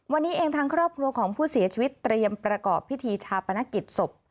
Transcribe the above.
วันนี้เองทางครอบครัวของผู้เสียชีวิตเตรียมประกอบพิธีชาปนกิจศพ